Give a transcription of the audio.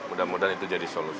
mudah mudahan itu jadi solusi